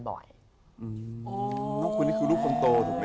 น้องคุยนี่คือลูกคนโตถูกไหม